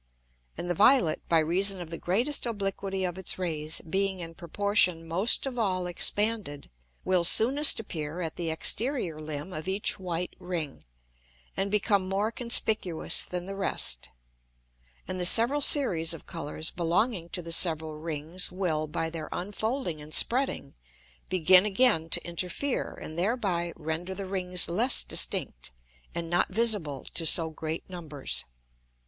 And the violet, by reason of the greatest obliquity of its Rays, being in proportion most of all expanded, will soonest appear at the exterior Limb of each white Ring, and become more conspicuous than the rest. And the several Series of Colours belonging to the several Rings, will, by their unfolding and spreading, begin again to interfere, and thereby render the Rings less distinct, and not visible to so great numbers.